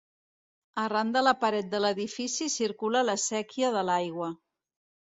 Arran de la paret de l'edifici circula la séquia de l'aigua.